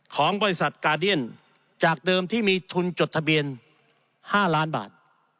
ของบริษัทกาเดียนจากเดิมที่มีทุนจดทะเบียน๕ล้านบาท